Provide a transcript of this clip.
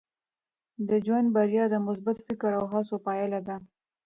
د ژوند بریا د مثبت فکر او هڅو پایله ده.